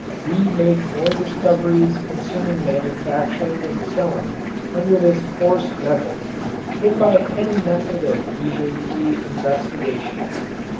We make more discoveries concerning manufacturing and selling under this forced method than by any method of leisurely investigation.